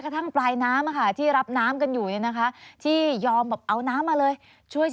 กระทั่งปลายน้ำที่รับน้ำกันอยู่นะคะที่ยอมเอาน้ำมาเลยช่วย